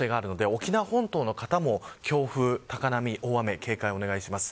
沖縄本島の方も強風、高波、大雨警戒をお願いします。